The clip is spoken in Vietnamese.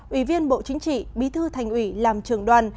ủy viên bộ chính trị bí thư thành ủy làm trưởng đoàn